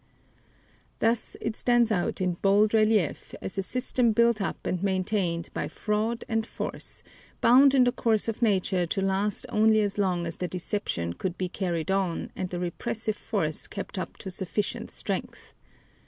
Thus it stands out in bold relief as a system built up and maintained by fraud and force, bound in the course of nature to last only as long as the deception could be carried on and the repressive force kept up to sufficient strength.